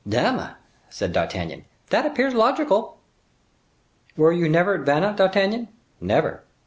"Dame!" said D'Artagnan, "that appears logical." "Were you never at Vannes, D'Artagnan?" "Never."